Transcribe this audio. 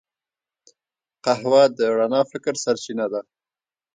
قهوه د رڼا فکر سرچینه ده